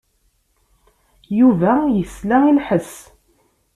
Yuba yesla i lḥess.